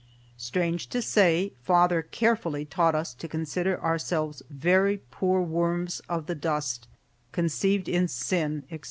Strange to say, father carefully taught us to consider ourselves very poor worms of the dust, conceived in sin, etc.